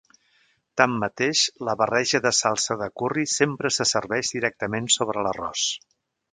Tanmateix, la barreja de salsa de curri sempre se serveix directament sobre l'arròs.